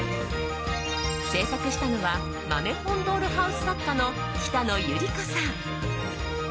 制作したのは豆本ドールハウス作家の北野有里子さん。